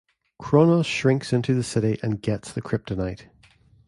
Chronos shrinks into the city and gets the kryptonite.